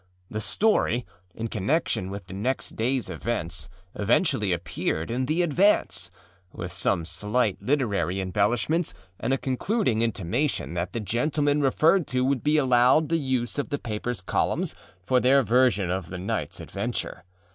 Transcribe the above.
The story (in connection with the next dayâs events) eventually appeared in the Advance, with some slight literary embellishments and a concluding intimation that the gentlemen referred to would be allowed the use of the paperâs columns for their version of the nightâs adventure.